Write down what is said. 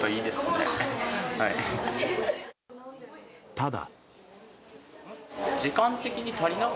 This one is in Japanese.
ただ。